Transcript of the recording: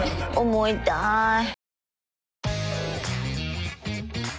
思いたい。